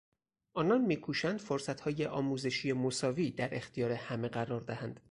آنان می کوشند فرصتهای آموزشی مساوی در اختیار همه قرار دهند.